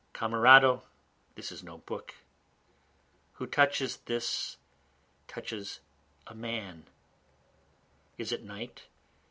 Camerado, this is no book, Who touches this touches a man, (Is it night?